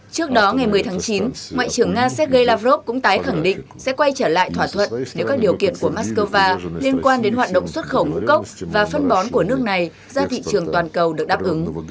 trước đó ngày một mươi tháng chín ngoại trưởng nga sergei lavrov cũng tái khẳng định sẽ quay trở lại thỏa thuận nếu các điều kiện của moscow liên quan đến hoạt động xuất khẩu ngũ cốc và phân bón của nước này ra thị trường toàn cầu được đáp ứng